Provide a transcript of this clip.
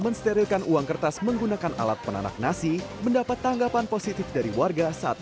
mensterilkan uang kertas menggunakan alat penanak nasi mendapat tanggapan positif dari warga saat